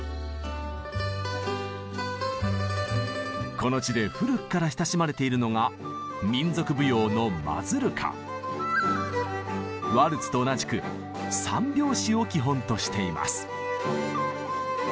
この地で古くから親しまれているのがワルツと同じく３拍子を基本としています。